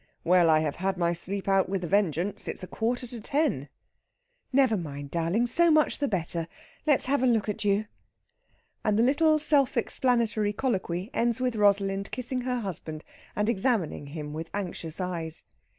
"Well, I have had my sleep out with a vengeance. It's a quarter to ten." "Never mind, darling. So much the better. Let's have a look at you...." And the little self explanatory colloquy ends with Rosalind kissing her husband and examining him with anxious eyes.